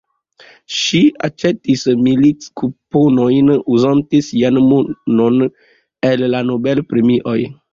Ŝi aĉetis milit-kuponojn, uzante sian monon el la Nobel-premioj.